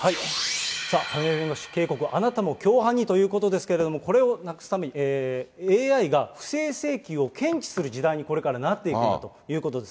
さあ、亀井弁護士、あなたも共犯にということですけれども、これをなくすためにＡＩが不正請求を検知する時代にこれからなっていくんだということです。